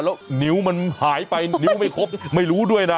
แล้วนิ้วมันหายไปนิ้วไม่ครบไม่รู้ด้วยนะ